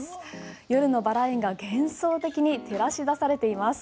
夜のバラ園が幻想的に照らし出されています。